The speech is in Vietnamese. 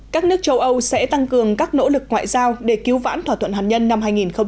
các nước châu âu sẽ tăng cường các nỗ lực ngoại giao để cứu vãn thỏa thuận hạt nhân năm hai nghìn một mươi năm